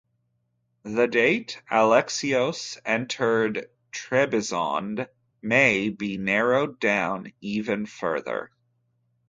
The date Alexios entered Trebizond may be narrowed down even further.